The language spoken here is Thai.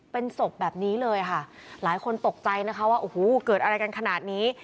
เป็นศพแบบนี้เลยค่ะหลายคนตกใจนะคะว่าโอ้โหเกิดอะไรกันขนาดนี้